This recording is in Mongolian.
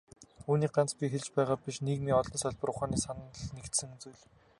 Үүнийг ганц би хэлж байгаа биш, нийгмийн олон салбар ухааны санал нэгдсэн зүйл.